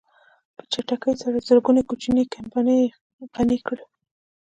په چټکۍ سره زرګونه کوچنۍ کمپنۍ يې غني کړې.